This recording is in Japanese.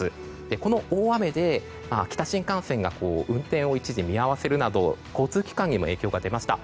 この大雨で秋田新幹線が一時運転を見合わせるなど交通機関にも影響が出ました。